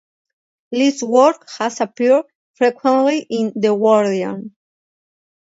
Leve's work has appeared frequently in "The Guardian".